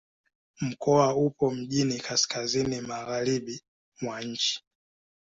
Mkoa upo mjini kaskazini-magharibi mwa nchi.